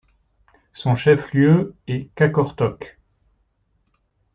Son chef-lieu est Qaqortoq.